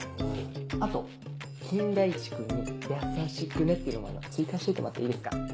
あと「金田一君に優しくね」っていうのも追加しといてもらっていいですか？